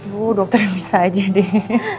bu dokter bisa aja deh